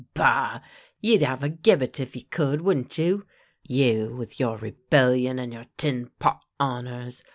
Bah! You'd have a gibbet if you could, wouldn't you? You with your rebellion and your tin pot honours!